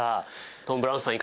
トム・ブラウンさん